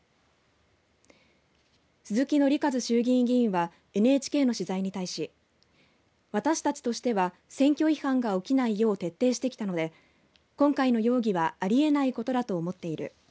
鈴木憲和衆議院議員はＮＨＫの取材に対し私たちとしては選挙違反が起きないよう徹底してきたので、今回の容疑はありえないことだと思っている。